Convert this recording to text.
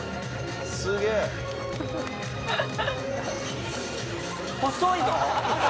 「すげえ」「細いぞ」